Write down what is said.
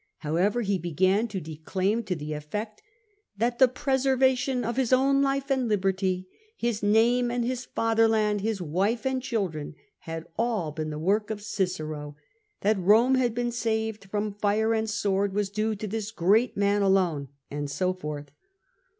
However be began to declaim to the effect that "the preservation of his own life and liberty, his name and his fatherland, his wife and children, had all been the work of Cicero; that Rome had been saved from fire and sword was due to this great man alone," and so forth.